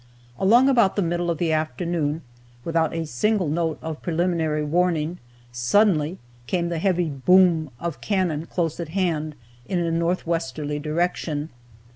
Along about the middle of the afternoon, without a single note of preliminary warning, suddenly came the heavy "boom" of cannon close at hand, in a northwesterly direction.